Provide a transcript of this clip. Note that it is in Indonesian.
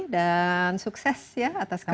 dan sukses ya atas kerja